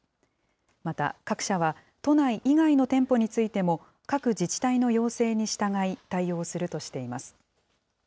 また各社は、都内以外の店舗についても、各自治体の要請に従い、対応するとしています。